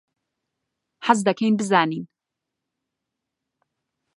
حەز دەکەین بزانین.